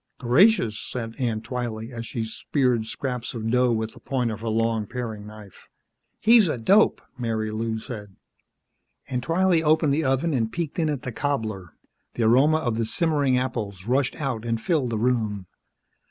"Gracious," said Aunt Twylee as she speared scraps of dough with the point of her long paring knife. "He's a dope!" Marilou said. Aunt Twylee opened the oven and peeked in at the cobbler. The aroma of the simmering apples rushed out and filled the room.